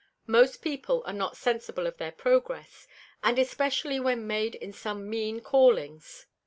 Most People are not sensible of their Progress, and especially when made in some mean Callings.